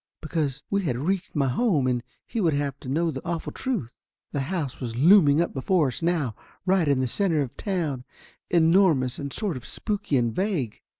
Because we had reached my home, and he would have to know the awful truth. The house was looming up before us now, right in the center of town, enormous and sort of spooky and vague.